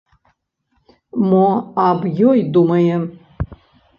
Мо аб ёй думае?